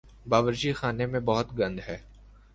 باورچی خانے میں بہت گند ہے